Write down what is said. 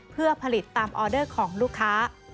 เพื่อผลิตตามออเดอร์ของลูกค้า